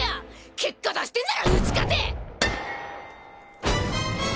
結果出してんならうちかて。